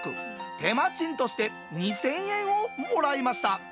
手間賃として２０００円をもらいました。